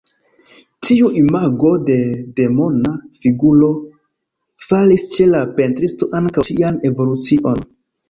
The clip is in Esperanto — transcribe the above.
Tiu imago de Demona figuro faris ĉe la pentristo ankaŭ sian evolucion.